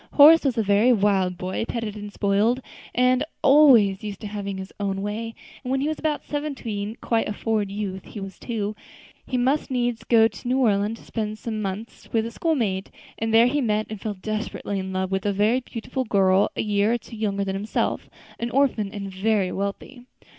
Horace was a very wild boy, petted and spoiled, and always used to having his own way; and when he was about seventeen quite a forward youth he was too he must needs go to New Orleans to spend some months with a schoolmate; and there he met, and fell desperately in love with, a very beautiful girl a year or two younger than himself, an orphan and very wealthy.